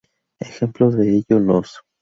Ejemplo de ello los